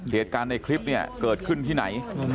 เหตุการณ์ในคลิปเนี่ยเกิดขึ้นที่ไหน